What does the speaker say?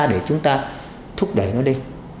để chúng ta thúc đẩy nó đi